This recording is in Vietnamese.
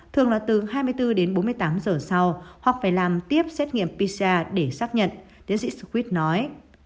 thường là từ hai mươi bốn đến bốn mươi tám giờ sau hoặc phải làm tiếp xét nghiệm pisa để xác nhận tiến sĩ squit nói